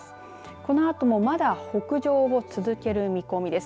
このあともまだ北上を続ける見込みです。